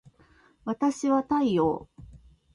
わたしは太陽